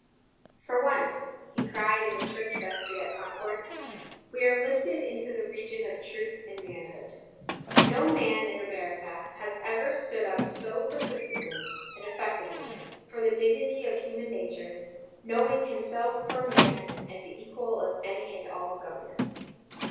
"For once," he cried in the church vestry at Concord, "we are lifted into the region of truth and manhood. No man, in America, has ever stood up so persistently and effectively for the dignity of human nature; knowing himself for a man, and the equal of any and all governments.